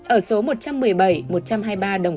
ở số một trăm một mươi bảy một trăm hai mươi ba đồng